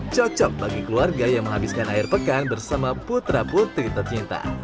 cocok bagi keluarga yang menghabiskan air pekan bersama putra putri tercinta